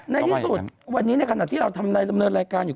ในที่สุดวันนี้ในขณะที่เราทำในดำเนินรายการอยู่